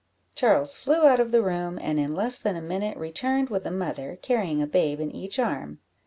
Charles flew out of the room, and in less than a minute returned with the mother, carrying a babe in each arm.